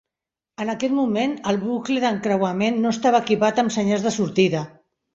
En aquest moment, el bucle d'encreuament no estava equipat amb senyals de sortida.